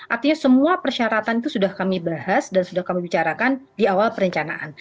artinya semua persyaratan itu sudah kami bahas dan sudah kami bicarakan di awal perencanaan